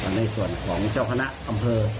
ในส่วนของเจ้าคณะอำเภอ